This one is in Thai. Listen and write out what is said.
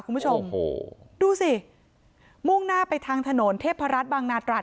คุณผู้ชมโอ้โหดูสิมุ่งหน้าไปทางถนนเทพรัฐบางนาตราด